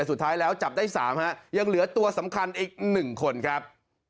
สุดท้ายแล้วจับได้๓ฮะยังเหลือตัวสำคัญอีก๑คนครับ